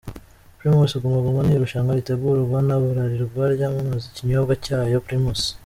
Primus Guma Guma ni irushanwa ritegurwa na Blarirwa ryamaaza ikinyobwa cyayo Primus.